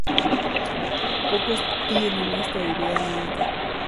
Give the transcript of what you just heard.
Pocos tienen esta idea en mente.